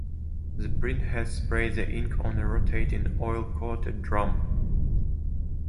The printhead sprays the ink on a rotating, oil coated drum.